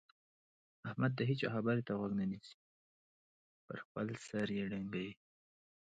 احمد د هيچا خبرې ته غوږ نه نيسي؛ پر خپل سر يې ډنګوي.